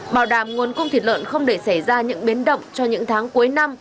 bảo đảm nguồn cung thịt lợn không để xảy ra những biến động cho những tháng cuối năm